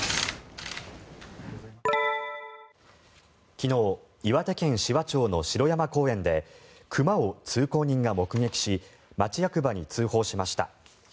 昨日岩手県紫波町の城山公園で熊を通行人が目撃し町役場に通報しました。